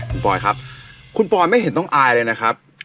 คุณปอยครับคุณปอยไม่เห็นต้องอายเลยนะครับ